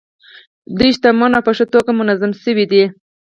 دوی شتمن او په ښه توګه منظم شوي دي.